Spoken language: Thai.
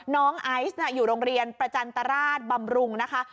น้องไอซ์อยู่โรงเรียนประจันตราชบำรุงนะคะ